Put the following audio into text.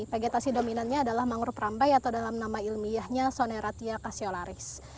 vegetasi dominannya adalah mangrove rambai atau dalam nama ilmiahnya soneratia kasseolaris